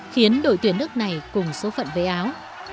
khiến đội tuyển nước này cùng số phận với áo